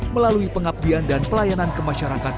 melalui pengabdian dan pelayanan kemasyarakat